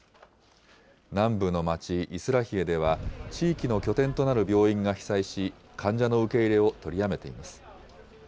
南部の町、イスラヒエでは、地域の拠点となる病院が被災し、患者の受け入れを取りやめています。